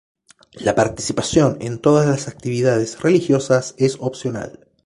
La participación en todas las actividades religiosas es opcional.